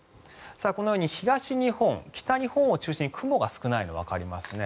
このように東日本、北日本を中心に雲が少ないのがわかりますね。